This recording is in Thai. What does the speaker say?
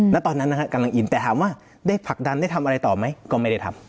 ณตอนนั้นนะฮะกำลังอินแต่ถามว่าได้ผลักดันได้ทำอะไรต่อไหมก็ไม่ได้ทำ